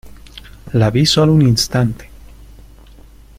la vi solo un instante